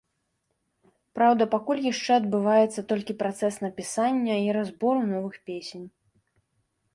Праўда, пакуль яшчэ адбываецца толькі працэс напісання і разбору новых песень.